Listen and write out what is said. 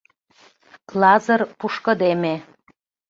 Лазыр пушкыдеме.